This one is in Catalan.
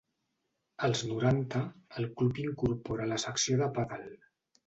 Als noranta, el club incorpora la secció de pàdel.